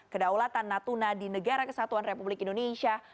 kedaulatan natuna di negara kesatuan republik indonesia